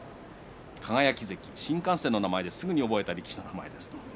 輝関新幹線の名前ですぐに覚えた力士ですと。